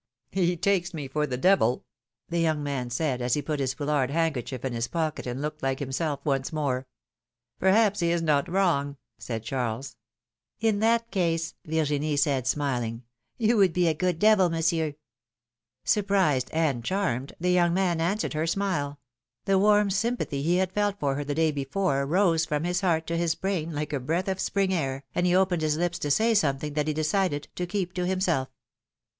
He takes me for the devil !" the young man said as he put his foulard handkerchief in his pocket and looked like himself once more. Perhaps he is not wrong," said Charles. 164 philomene's maeriages. ^^Iii that case/^ Virginie said, smiling, ^^you would be a good devil, Monsieur.'^ Surprised and charmed, the young man answered her smile; the warm sympathy he had felt for her the day before rose from his heart to his brain like a breath of spring air, and he opened his lips to say something that he decided to keep to himself.